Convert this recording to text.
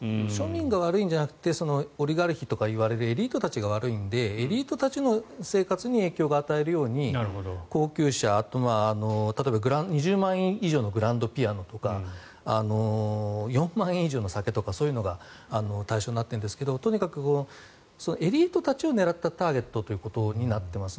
庶民が悪いんじゃなくてオリガルヒというようなエリートたちが悪いのでエリートたちの生活に影響を与えるように高級車と、例えば２０万円以上のグランドピアノとか４万円以上の酒とかそういうのが対象になっているんですがとにかくエリートたちを狙ったターゲットということになっています。